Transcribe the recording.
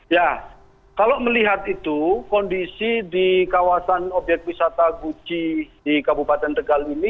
ya kalau melihat itu kondisi di kawasan obyek wisata guci di kabupaten tegal ini